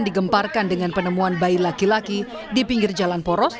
digemparkan dengan penemuan bayi laki laki di pinggir jalan poros